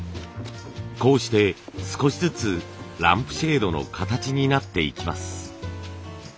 こうして少しずつランプシェードの形になっていきます。